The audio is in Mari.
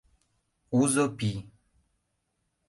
Узо пий!